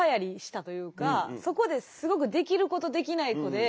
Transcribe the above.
そこですごくできる子とできない子で。